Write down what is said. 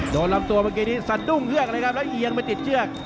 ลำตัวเมื่อกี้นี้สัดดุ้งเฮือกเลยครับแล้วเอียงไปติดเชือก